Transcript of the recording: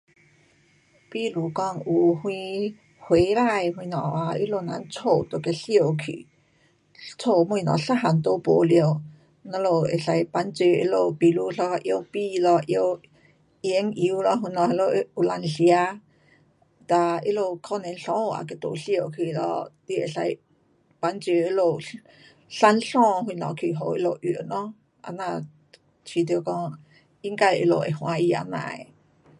比如说有啥火灾什么 um 他们家都给烧去。家东西一样都没了，我们可以帮助他们比如一下提米咯,提盐油咯，什么那里有东吃，哒他们可能衣物都给烧去了。你可以帮助他们，送衣什么去给他们用咯。这样觉得讲应该他们会欢喜这样的。